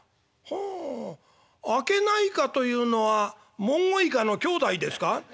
ほうあけないかというのはモンゴウイカの兄弟ですか？」。